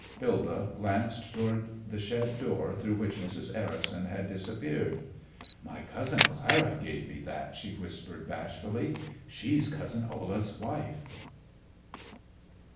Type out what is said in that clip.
Hilda glanced toward the shed door through which Mrs. Ericson had disappeared. "My Cousin Clara gave me that," she whispered bashfully. "She's Cousin Olaf's wife."